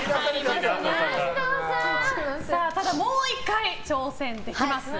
ただ、もう１回挑戦できます。